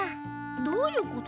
どういうこと？